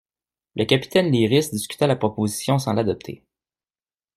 Le capitaine Lyrisse discuta la proposition sans l'adopter.